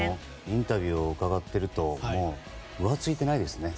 インタビューを伺っていると浮ついてないですね。